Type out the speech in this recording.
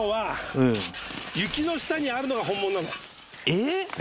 えっ？